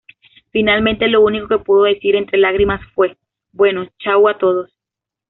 Finalmente, lo único que pudo decir entre lágrimas fue "bueno, chau a todos".